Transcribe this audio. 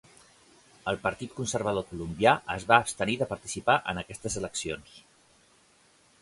El Partit conservador Colombià es va abstenir de participar en aquestes eleccions.